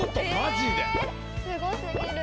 ええすごすぎる。